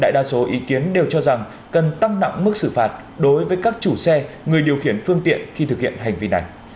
đa số ý kiến đều cho rằng cần tăng nặng mức xử phạt đối với các chủ xe người điều khiển phương tiện khi thực hiện hành vi này